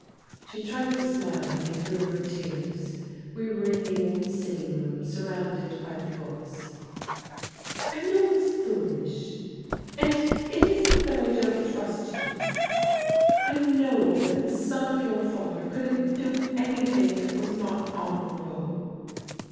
She tried to smile at me through her tears. We were in the old sitting room, surrounded by the books. "I know it's foolish, and it isn't that I don't trust you. I know that the son of your father couldn't do anything that was not honourable.